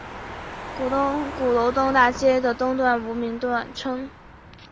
鼓楼东大街的东段无名称。